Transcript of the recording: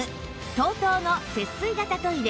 ＴＯＴＯ の節水型トイレ